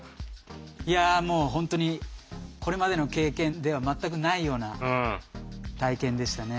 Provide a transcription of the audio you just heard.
いやもう本当にこれまでの経験では全くないような体験でしたね。